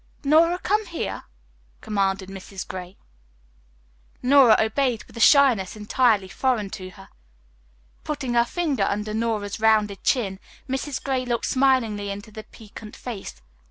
"Nora, come here," commanded Mrs. Gray. Nora obeyed with a shyness entirely foreign to her. Putting her finger under Nora's rounded chin, Mrs. Gray looked smilingly into the piquant face.